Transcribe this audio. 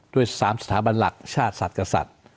ด้วย๓สถาบันหลักชาติสัตว์กับสัตว์